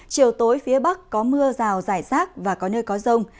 chiều tối phía bắc có mưa rào rải rác và có nơi có rông